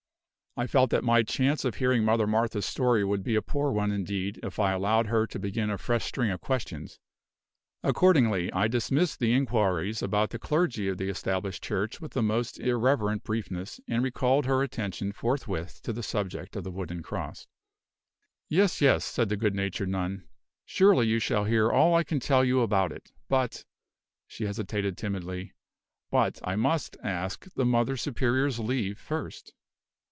I felt that my chance of hearing Mother Martha's story would be a poor one indeed, if I allowed her to begin a fresh string of questions. Accordingly, I dismissed the inquiries about the clergy of the Established Church with the most irreverent briefness, and recalled her attention forthwith to the subject of the wooden cross. "Yes, yes," said the good natured nun; "surely you shall hear all I can tell you about it; but " she hesitated timidly, "but I must ask the Mother Superior's leave first."